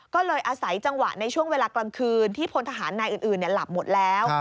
ก็เลยอาศัยจังหวะในช่วงเวลากลางคืนที่พลทหารนายอื่นหลับหมดแล้ว